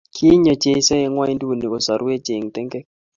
kinyo cheso eng ngwanduni kosarwech eng tengek